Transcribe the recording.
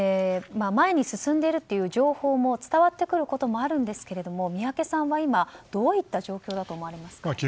前に進んでいるという情報も伝わってくることもありますが宮家さんは今どういった状況だと思われますか？